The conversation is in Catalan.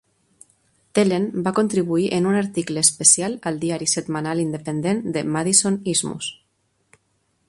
Thelen va contribuir en un article especial al diari setmanal independent de Madison Isthmus.